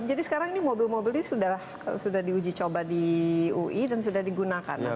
jadi sekarang mobil mobil ini sudah diuji coba di ui dan sudah digunakan atau masih